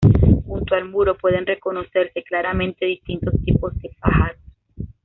Junto al muro pueden reconocerse claramente distintos tipos de pájaros.